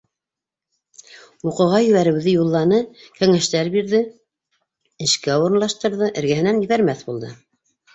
Уҡыуға ебәреүҙе юлланы, кәңәштәр бирҙе, эшкә урынлаштырҙы, эргәһенән ебәрмәҫ булды.